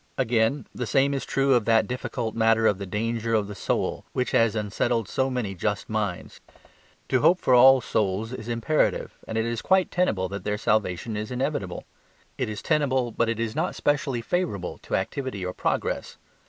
Again, the same is true of that difficult matter of the danger of the soul, which has unsettled so many just minds. To hope for all souls is imperative; and it is quite tenable that their salvation is inevitable. It is tenable, but it is not specially favourable to activity or progress.